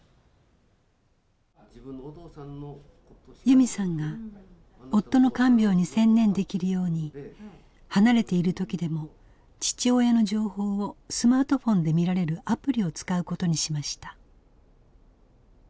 由美さんが夫の看病に専念できるように離れている時でも父親の情報をスマートフォンで見られるアプリを使うことにしました。